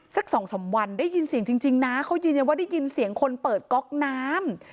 สักสองสามวันได้ยินเสียงจริงนะเขายืนยันว่าได้ยินเสียงคนเปิดก๊อกน้ำ